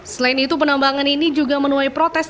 selain itu penambangan ini juga menuai protes